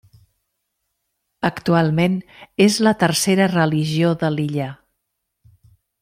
Actualment és la tercera religió de l'illa.